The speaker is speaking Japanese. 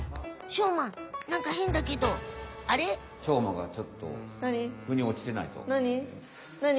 しょうまがちょっとふにおちてないぞ。